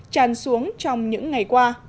tràn xuống trong những ngày qua